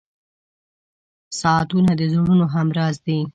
• ساعتونه د زړونو همراز دي.